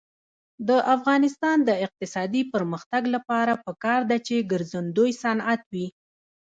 د افغانستان د اقتصادي پرمختګ لپاره پکار ده چې ګرځندوی صنعت وي.